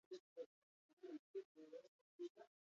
Eraldatzeko borondatea edo trebetasuna duen izpiritu edo hitza?